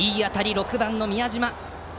６番の宮嶋。